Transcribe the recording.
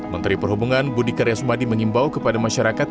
menteri perhubungan budi karyasumadi mengimbau kepada masyarakat